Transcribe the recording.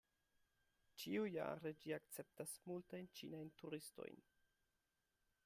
Ĉiujare ĝi akceptas multajn ĉinajn turistojn.